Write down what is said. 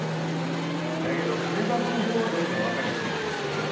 だけど金箱の方はどうか分かりゃしねえと言ってたな。